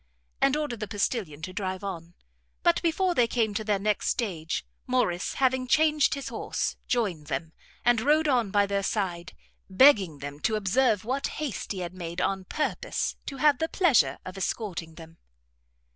And ordered the postilion to drive on. But before they came to their next stage, Morrice having changed his horse, joined them, and rode on by their side, begging them to observe what haste he had made on purpose to have the pleasure of escorting them.